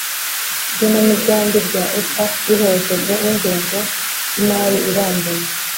lgenamigambi rya efa riherekejwe n'ingengo y'imari irambuye